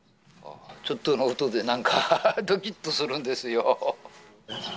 ちょっとの音でなんか、どきっとするんですよ。